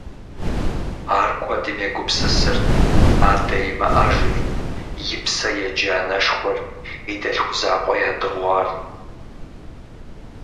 Ар куэдым егупсысырт: адэ имыӀэжыр, и псэ еджэ анэшхуэр, и дэлъху закъуэ ядыгъуар.